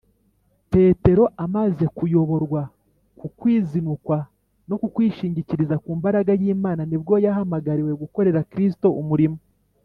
petero amaze kuyoborwa ku kwizinukwa no ku kwishingikiriza ku mbaraga y’imana ni bwo yahamagariwe gukorera kristo umurimo